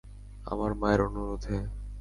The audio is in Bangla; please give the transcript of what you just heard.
আমার মায়ের অনুরোধে?